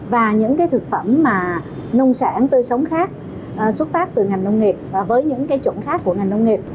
và những cái thực phẩm mà nông sản tươi sống khác xuất phát từ ngành nông nghiệp và với những cái chuẩn khác của ngành nông nghiệp